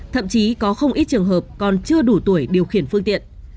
thậm chí có không ít trường hợp còn chưa đủ tuổi điều khiển phương tiện